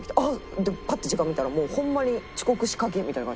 でパッて時間見たらホンマに遅刻しかけみたいな感じ。